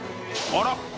あら！